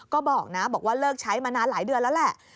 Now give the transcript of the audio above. ก็บอกนะบอกว่าเลิกใช้มานานหลายเดือนแล้วแหละ